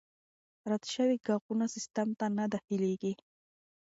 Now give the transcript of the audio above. رد شوي ږغونه سیسټم ته نه داخلیږي.